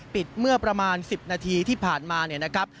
ปิดเมื่อประมาณ๑๐นาทีที่ผ่านมา